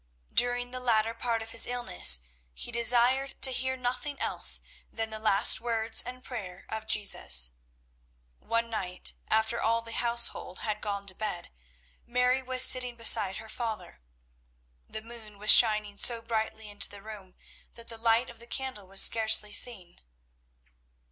During the latter part of his illness he desired to hear nothing else than the last words and prayer of Jesus. One night, after all the household had gone to bed, Mary was sitting beside her father. The moon was shining so brightly into the room that the light of the candle was scarcely seen.